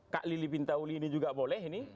kak lili pintauli ini juga boleh ini